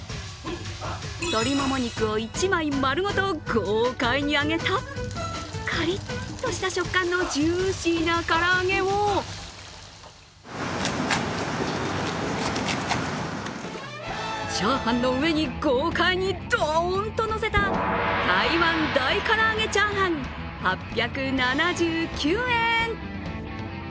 鶏もも肉を１枚丸ごと豪快に揚げたかりっとした食感のジューシーなから揚げをチャーハンの上に豪快にドーンとのせた台湾大からあげチャーハン、８７９円。